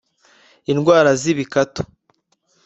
indwara z’ibikatu